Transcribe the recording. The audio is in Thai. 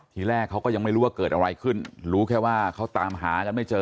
ทีแรกเขาก็ยังไม่รู้ว่าเกิดอะไรขึ้นรู้แค่ว่าเขาตามหากันไม่เจอ